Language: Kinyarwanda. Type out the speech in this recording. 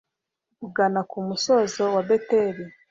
bugana ku musozi wa beteli